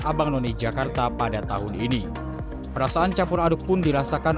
abang none jakarta pada tahun ini perasaan capur aduk pun dirasakan